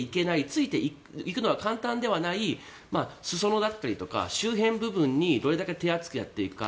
ついていくのが簡単ではない裾野だったりとか周辺部分にどれだけ手厚くやっていくか。